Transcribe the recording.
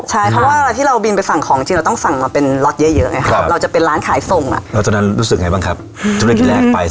ใช่เพราะว่าที่เราบินไปสั่งของจริงเราต้องสั่งมารอดเยอะเนี่ย